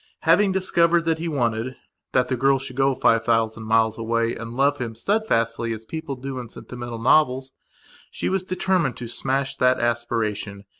Having discovered what he wantedthat the girl should go five thousand miles away and love him steadfastly as people do in sentimental novels, she was determined to smash that aspiration.